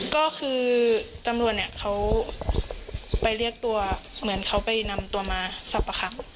ก็คือตำรวจเนี่ยเขาไปเรียกตัวเหมือนเขาไปนำตัวมาสอบประคำ